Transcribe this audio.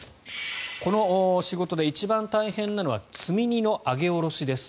この仕事で一番大変なのは積み荷の揚げ下ろしです。